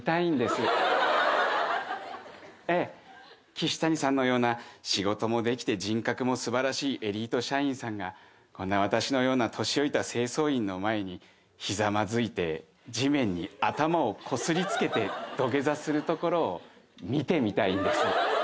岸谷さんのような仕事もできて人格もすばらしいエリート社員さんがこんな私のような年老いた清掃員の前にひざまずいて地面に頭をこすりつけて土下座するところを見てみたいんです。